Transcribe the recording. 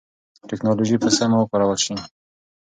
ټکنالوژي به سمه وکارول شي.